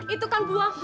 itu kan buah